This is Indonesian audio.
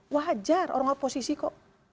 wajar orang oposisi kok